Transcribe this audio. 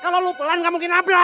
kalau lu pelan gak mungkin nabrak